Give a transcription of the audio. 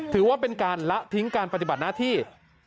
ถือว่าเป็นการละทิ้งการปฏิบัติหน้าที่